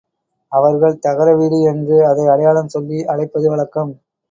அவர்கள் தகர வீடு என்று அதை அடையாளம் சொல்லி அழைப்பது வழக்கம்.